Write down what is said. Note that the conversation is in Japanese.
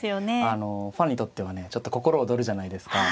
あのファンにとってはねちょっと心躍るじゃないですか。